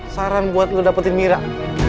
saran buat lu dapetin mirah